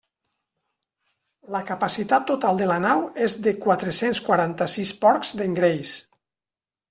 La capacitat total de la nau és de quatre-cents quaranta-sis porcs d'engreix.